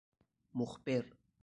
مخبر